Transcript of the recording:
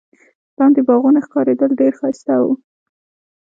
لاندي باغونه ښکارېدل، ډېر ښایسته وو.